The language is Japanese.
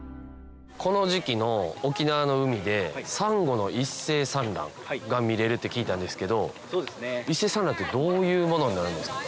この時期の沖縄の海でサンゴの一斉産卵が見れるって聞いたんですけど一斉産卵ってどういうものになるんですか？